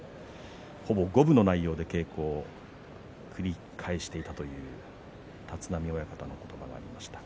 ほぼ五分の内容で稽古を繰り返していたという立浪親方の言葉がありました。